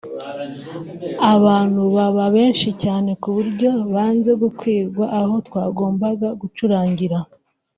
abantu baba benshi cyane kuburyo banze gukwirwa aho twagombaga gucurangira